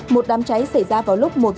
một đám cháy xảy ra vào lúc một mươi sáu h